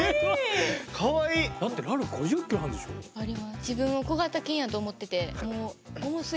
あります。